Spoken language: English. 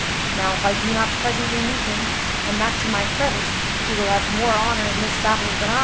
Now if I do not presently meet him, and that to my credit, he will have more honor in this battle than I."